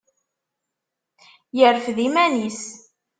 yerfed iman-is.